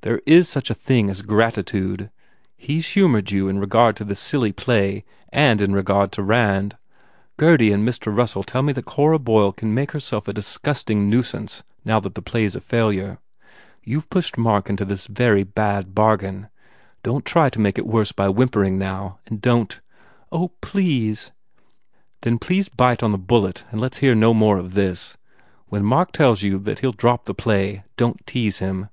There is such a thing as gratitude. He s humoured you in regard to this silly play and in regard to Rand. Gurdy and Mr. Russell tell me that Cora Boyle 235 THE FAIR REWARDS can make herself a disgusting nuisance now that the play s a failure. You ve pushed Mark into this very bad bargain. Don t make it worse by whimpering, now, and don t " "Oh, please!" "Then please bite on the bullet and let s hear no more of this. When Mark tells you he ll drop the play, don t tease him."